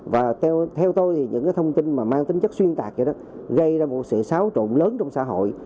và theo tôi thì những thông tin mang tính chất xuyên tạc gây ra một sự xáo trộn lớn trong xã hội